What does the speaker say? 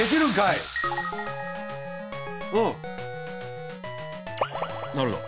うんなるほど。